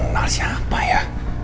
kenal siapa ya